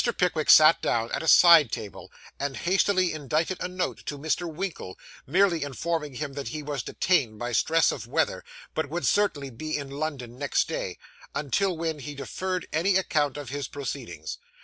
Pickwick sat down at a side table, and hastily indited a note to Mr. Winkle, merely informing him that he was detained by stress of weather, but would certainly be in London next day; until when he deferred any account of his proceedings.